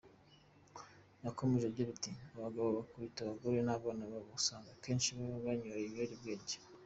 Yakomeje agira ati : "Abagabo bakubita abagore n’abana babo usanga akenshi baba banyoye ibiyobyabwenge.